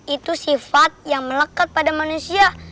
itu sifat yang melekat pada manusia